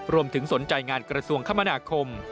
รวมถึงสนใจงานกระทรวงคมนาคม